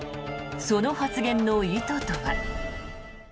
その発言の意図とは。